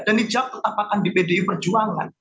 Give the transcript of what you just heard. dan dijawab tetap akan di bdi perjuangan